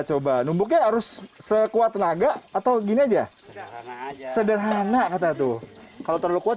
coba nunggu ke harus sekuat tenaga atau gini aja sederhana sederhana kata tuh kalau terlalu banyak